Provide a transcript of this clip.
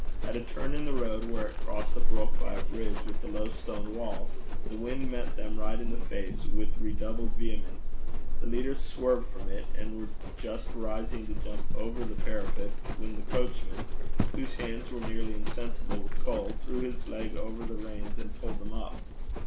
At a turn in the road, where it crossed a brook by a bridge with a low stone wall, the wind met them right in the face with redoubled vehemence; the leaders swerved from it, and were just rising to jump over the parapet, when the coachman, whose hands were nearly insensible with cold, threw his leg over the reins, and pulled them up.